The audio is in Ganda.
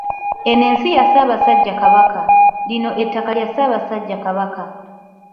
Eno nsi ya Ssaabasajja Kabaka, lino ettaka lya Ssaabasajja Kabaka.